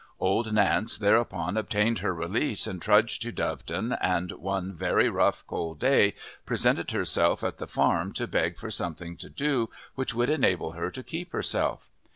Old Nance thereupon obtained her release and trudged to Doveton, and one very rough, cold day presented herself at the farm to beg for something to do which would enable her to keep herself.